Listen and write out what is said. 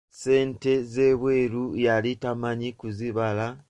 Ssente z'ebweru yali tamanyi kuzibala.